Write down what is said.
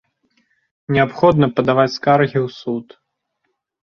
Неабходна падаваць скаргі ў суд.